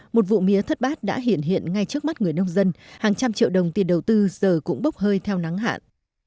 một vụ mía thất bát đã hiện hiện ngay trước mắt người nông dân hàng trăm triệu đồng tiền đầu tư giờ cũng bốc hơi theo nắng hạn